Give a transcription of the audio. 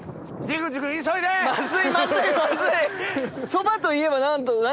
そばといえば何？